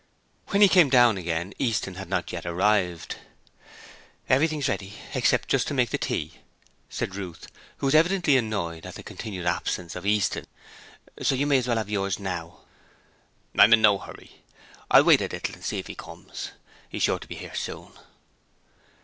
When he came down again, Easton had not yet arrived. 'Everything's ready, except just to make the tea,' said Ruth, who was evidently annoyed at the continued absence of Easton, 'so you may as well have yours now.' 'I'm in no hurry. I'll wait a little and see if he comes. He's sure to be here soon.'